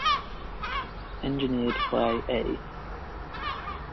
Engineered by A.